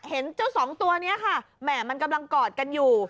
เห็นเจ้าสองตัวนี้ค่ะแหม่มันกำลังกอดกันอยู่